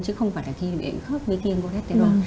chứ không phải là khi bị khớp với kiêng cholesterol